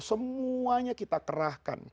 semuanya kita kerahkan